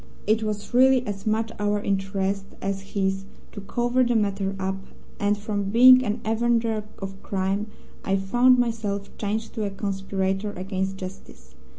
It was really as much our interest as his to cover the matter up, and from being an avenger of crime I found myself changed to a conspirator against Justice.